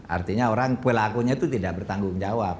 artinya orang pelakunya itu tidak bertanggung jawab